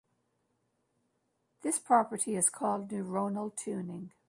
This property is called "neuronal tuning".